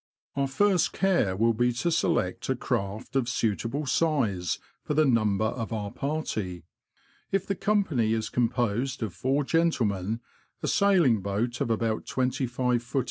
Our first care will be to select a craft of suitable size for the number of our party. If the company is composed of four gentlemen, a sailing boat of about 25ft.